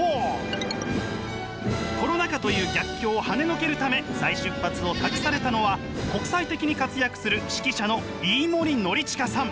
コロナ禍という逆境をはねのけるため再出発を託されたのは国際的に活躍する指揮者の飯森範親さん。